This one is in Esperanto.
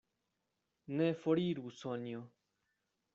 Ne foriru, Sonjo!